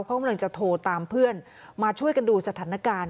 เขากำลังจะโทรตามเพื่อนมาช่วยกันดูสถานการณ์